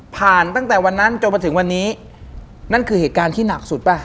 ตั้งแต่วันนั้นจนมาถึงวันนี้นั่นคือเหตุการณ์ที่หนักสุดป่ะ